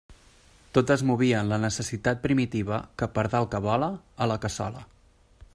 Tot es movia en la necessitat primitiva que pardal que vola, a la cassola.